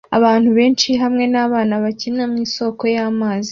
Abantu benshi hamwe nabana bakina mwisoko y'amazi